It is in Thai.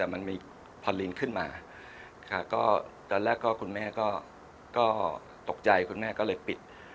มันมีพอลินขึ้นมาค่ะก็ตอนแรกก็คุณแม่ก็ตกใจคุณแม่ก็เลยปิด